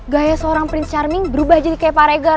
gaya seorang prince charming berubah jadi kayak pak reger